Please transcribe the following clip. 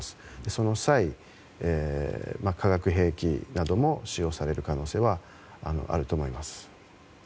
その際、化学兵器などが使用される可能性はあると思います。